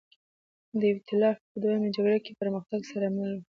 د اېتلاف په دویمه جګړه کې پرمختګ سره مله وه.